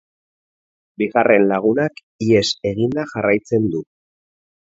Bigarren lagunak ihes eginda jarraitzen du.